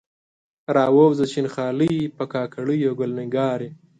راووځه شین خالۍ، په کاکړیو ګل نګارې